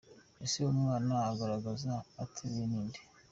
Ese umwana agaragara ateruye ni inde?.